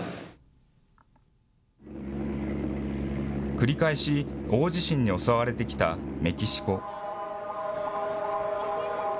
繰り返し大地震に襲われてきたメキシコ。